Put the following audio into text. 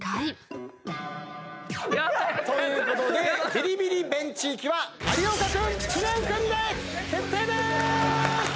ビリビリベンチ行きは有岡君知念君で決定でーす！